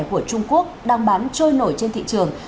của trung quốc đang bán trôi nổi trên thị trường